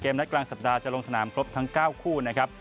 นัดกลางสัปดาห์จะลงสนามครบทั้ง๙คู่นะครับ